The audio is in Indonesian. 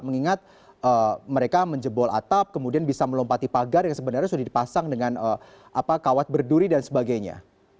mengingat mereka menjebol atap kemudian bisa melompati pagar yang sebenarnya sudah dipasang dengan kawat berduri dan sebagainya